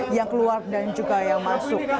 yang keluar dan juga yang masuk